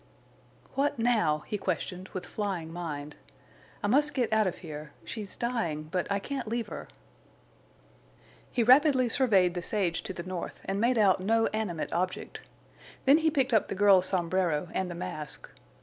"What—now?" he questioned, with flying mind. "I must get out of here. She's dying—but I can't leave her." He rapidly surveyed the sage to the north and made out no animate object. Then he picked up the girl's sombrero and the mask.